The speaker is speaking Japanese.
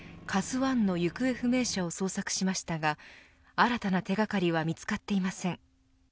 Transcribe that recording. ＫＡＺＵ１の行方不明者を捜索しましたが新たな手掛かりは見つかっていません。